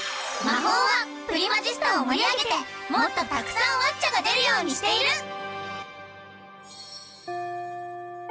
「魔法はプリマジスタを盛り上げてもっとたくさんワッチャが出るようにしている！」。